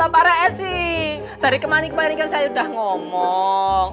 pak rek sih dari kemari kemarin kan saya udah ngomong